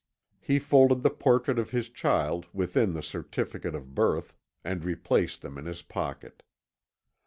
He folded the portrait of his child within the certificate of birth, and replaced them in his pocket.